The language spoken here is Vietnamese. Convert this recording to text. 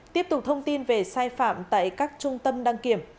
tiếp tục thông tin về sai phạm tại các trung tâm đăng kiểm